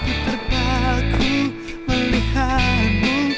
aku terpaku melihatmu